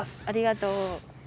ありがとう。